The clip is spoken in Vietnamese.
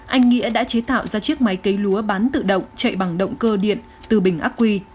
anh nghĩa đã chế tạo ra chiếc máy cấy lúa bán tự động chạy bằng động cơ điện từ bình ác quy